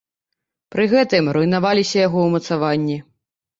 Пры гэтым руйнаваліся яго ўмацаванні.